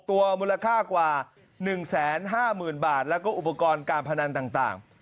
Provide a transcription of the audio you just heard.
ตัวมูลค่ากว่า๑๕๐๐๐บาทแล้วก็อุปกรณ์การพนันต่าง